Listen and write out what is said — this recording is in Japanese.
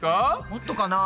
もっとかな？